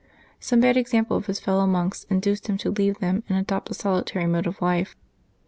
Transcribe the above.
Some bad example of his fellow monks induced him to leave them and adopt the solitary mode of life.